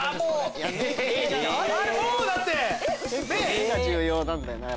目が重要なんだよな。